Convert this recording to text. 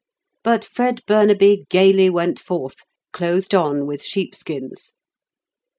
But Fred Burnaby gaily went forth, clothed on with sheepskins.